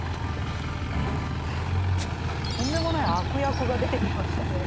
とんでもない悪役が出てきましたね。